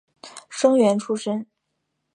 生员出身。